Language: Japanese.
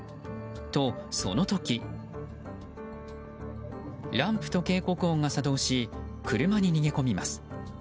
と、その時ランプと警告音が作動し車に逃げ込みます。